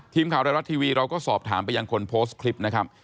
ทีมข่าวไทยรัฐทีวีเราก็สอบถามไปยังคนโพสต์คลิปนะครับ